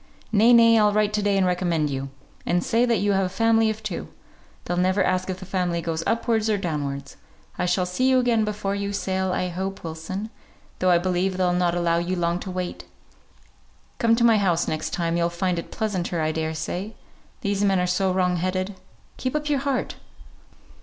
"Nay, nay! I'll write to day and recommend you; and say that you have a family of two. They'll never ask if the family goes upwards or downwards. I shall see you again before you sail, I hope, Wilson; though I believe they'll not allow you long to wait. Come to my house next time; you'll find it pleasanter, I daresay. These men are so wrong headed. Keep up your heart!"